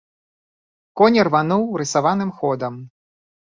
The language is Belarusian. Конь ірвануў рысаваным ходам.